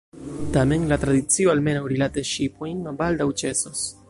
Tamen la tradicio, almenaŭ rilate ŝipojn, baldaŭ ĉesos.